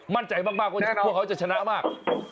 มั่นใจมากว่าพวกเขาจะชนะมาก